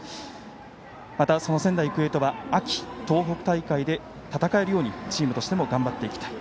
また仙台育英とは秋、東北大会で戦えるようにチームとしても頑張っていきたい。